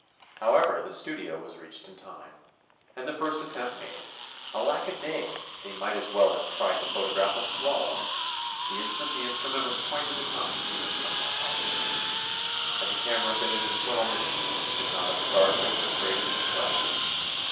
However, the studio was reached in time, and the first attempt made. Alack a day! they might as well have tried to photo graph a swallow. The instant the instrument was pointed at Tommy he was somewhere else. Had the cam era been an infernal machine he could not have regarded it with greater dis trust.